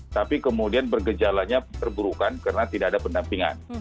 tapi kemudian bergejalannya terburukan karena tidak ada pendampingan